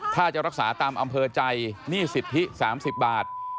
ถ้าจะรักษาตามอำเภอใจหนี้สิทธิ๓๐บาท